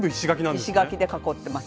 石垣で囲ってます。